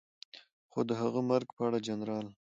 خو د هغه مرګ په اړه جنرال